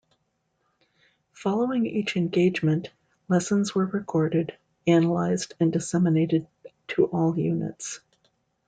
Following each engagement, lessons were recorded, analyzed and disseminated to all units.